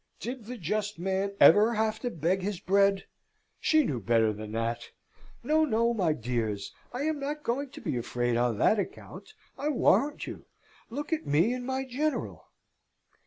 Did the just man ever have to beg his bread? She knew better than that! "No, no, my dears! I am not going to be afraid on that account, I warrant you! Look at me and my General!"